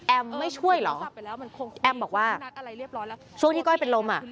ไม่ช่วยเหรอแอมบอกว่าช่วงที่ก้อยเป็นลมอ่ะ